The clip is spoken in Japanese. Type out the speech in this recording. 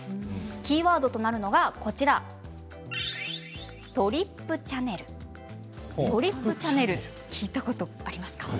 キーワードとなるのがＴＲＰチャネル聞いたことありますか？